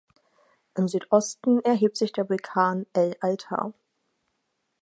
Im Südosten erhebt sich der Vulkan El Altar.